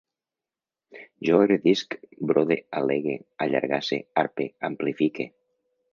Jo agredisc, brode, al·legue, allargasse, arpe, amplifique